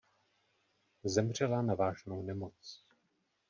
Zemřela na vážnou nemoc.